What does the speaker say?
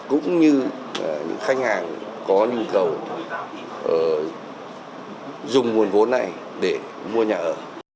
cũng như những khách hàng có nhu cầu dùng nguồn vốn này để mua nhà ở